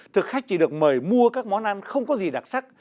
thực khách chỉ được mời mua các món ăn không có gì đặc sắc